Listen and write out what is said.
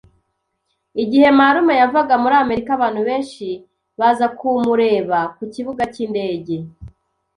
Igihe marume yavaga muri Amerika, abantu benshi baza kumureba ku kibuga cy'indege.